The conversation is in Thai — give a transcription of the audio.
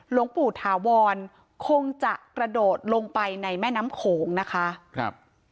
หลวงปู่ถาวรคงจะกระโดดลงไปในแม่น้ำโขงนะคะครับ